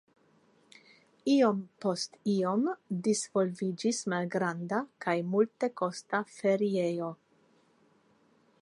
Iom post iom disvolviĝis malgranda kaj multekosta feriejo.